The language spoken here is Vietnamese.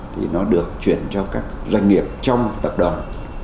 thì nó được chuyển cho các doanh nghiệp trong tập đoàn